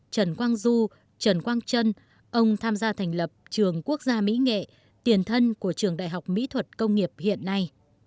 trần quang trân ông tham gia thành lập trường quốc gia mỹ nghệ tiền thân của trường đại học mỹ thuật công nghiệp hiện nay